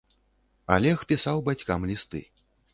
Алег пісаў бацькам лісты.